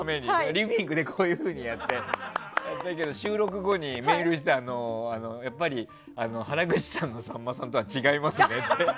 リビングでやったけど収録後にメールしてやっぱり原口さんとさんまさんは違いますねって。